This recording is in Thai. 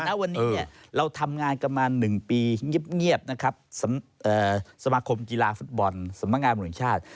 แต่นะวันนี้เนี่ยเราทำงานกันมา๑ปีเงียบนะครับสมาคมกีฬาฟุตบอลสมัครงานบุญชาติ